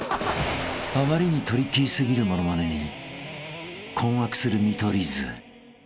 ［あまりにトリッキー過ぎる物まねに困惑する見取り図］